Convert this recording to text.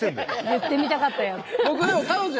言ってみたかったやつ。